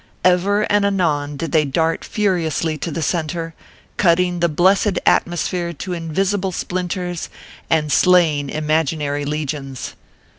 Ever and anon did they dart furiously to the centre, cutting the blessed atmosphere to invisible splinters, and slaying imaginary legions.